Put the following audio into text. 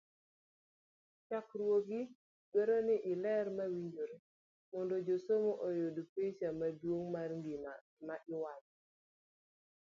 chakruogi dwaro ni iler mawinjore mondo jasomo oyud picha maduong' mar gima iwacho.